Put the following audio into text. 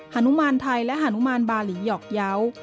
หานุมารไทยและหานุมารบาหลีหยอกเย้า